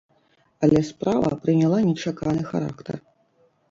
Але справа прыняла нечаканы характар.